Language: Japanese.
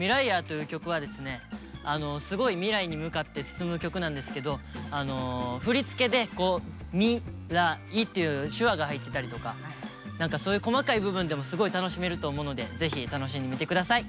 すごい未来に向かって進む曲なんですけど振り付けで「み」「ら」「い」っていう手話が入ってたりとかそういう細かい部分でもすごい楽しめると思うのでぜひ楽しみに見て下さい。